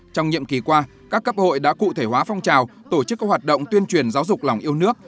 trong nhiệm kỳ qua các cấp hội đã cụ thể hóa phong trào tổ chức các hoạt động tuyên truyền giáo dục lòng yêu nước